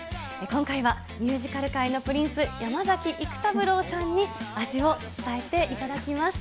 今回はミュージカル界のプリンス、山崎育三郎さんに味を伝えていただきます。